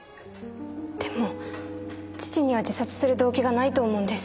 でも父には自殺する動機がないと思うんです。